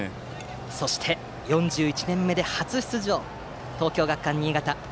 そして４１年目で初出場の東京学館新潟。